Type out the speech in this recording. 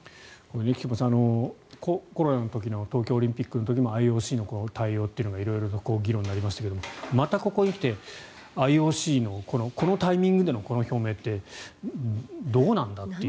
菊間さん、コロナの時の東京オリンピックの時もＩＯＣの対応が色々議論になりましたがまたここに来てＩＯＣのこのタイミングでのこの表明ってどうなんだっていう。